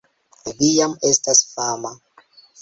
Vi jam estas fama